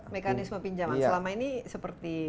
mekanisme pinjaman selama ini seperti